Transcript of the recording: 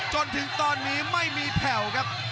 จนถึงตอนนี้ไม่มีแผ่วครับ